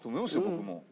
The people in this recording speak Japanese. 僕も。